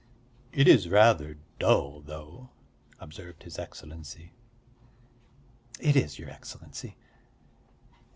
'" "It is rather dull, though," observed his Excellency. "It is, your Excellency.